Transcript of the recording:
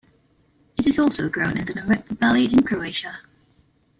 It is also grown in the Neretva valley in Croatia.